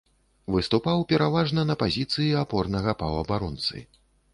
Выступаў пераважна на пазіцыі апорнага паўабаронцы.